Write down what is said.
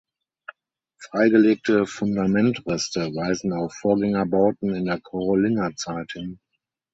Freigelegte Fundamentreste weisen auf Vorgängerbauten in der Karolingerzeit hin.